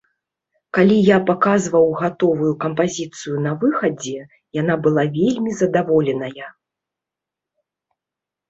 Калі я паказваў гатовую кампазіцыю на выхадзе, яна была вельмі задаволеная.